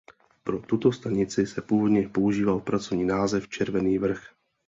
Pro tuto stanici se původně používal pracovní název "Červený Vrch".